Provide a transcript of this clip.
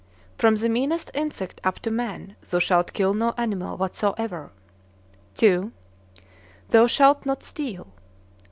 From the meanest insect up to man thou shalt kill no animal whatsoever. II. Thou shalt not steal.